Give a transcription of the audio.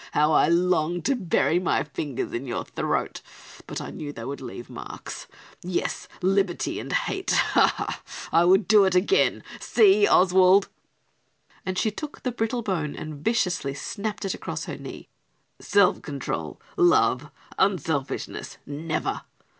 How I longed to bury my fingers in your throat, but I knew they would leave marks. "Yes, liberty and hate, ha! ha! I would do it again. See, Oswald!" and she took the brittle bone and viciously snapped it across her knee. "Self control! love! unselfishness! Never!